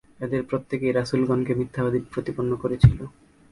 এদের প্রত্যেকেই রাসূলগণকে মিথ্যাবাদী প্রতিপন্ন করেছিল।